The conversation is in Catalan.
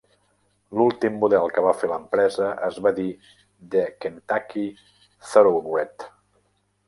L'últim model que va fer l'empresa es va dir "The Kentucky Thoroughbred".